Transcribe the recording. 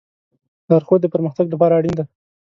لارښود د پرمختګ لپاره اړین دی.